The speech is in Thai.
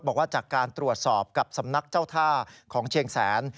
บอกว่าจากการตรวจสอบกับสำนักเจ้าท่าของเชียงแสน